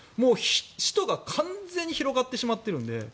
使途が完全に広がってしまっているので。